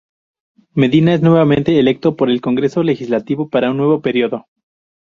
Medina es nuevamente electo por el Congreso legislativo, para un nuevo periodo.